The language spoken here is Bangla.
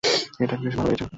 এটা বেশ ভালো লেগেছে।